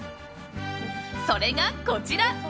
それが、こちら。